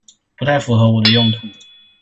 不太符合我的用途